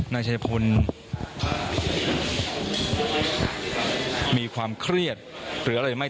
นายชัยพลมีความเครียดหรืออะไรหรือไม่